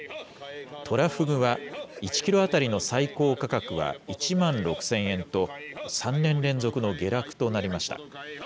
トラフグは１キロ当たりの最高価格は１万６０００円と、３年連続の下落となりました。